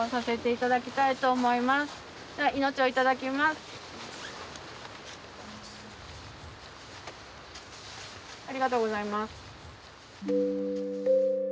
今日はありがとうございます。